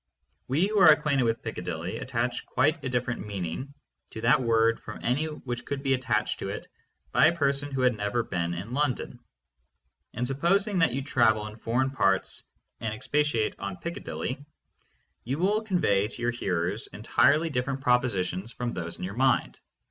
We, who are acquainted with Piccadilly, attach quite a different meaning to that word from any which could be attached to it by a person who had never been in London : and, supposing that you travel in foreign parts and expatiate on Piccadilly, you will convey to your hearers entirely different propositions from those in your 518 THE MONIST. mind.